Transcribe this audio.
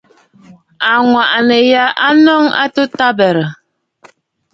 Àŋwàʼànə̀ ya a nɔŋə a atu tabɛ̀rə̀.